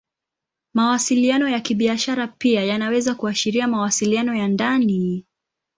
Mawasiliano ya Kibiashara pia yanaweza kuashiria mawasiliano ya ndani.